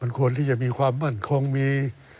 ควรที่จะมีความมั่นคงมี